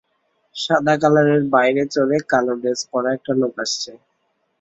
সাদা কালারের বাইরে চড়ে কালো ড্রেস পরা একটা লোক আসছে।